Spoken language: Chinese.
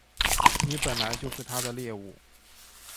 你本来就是他的猎物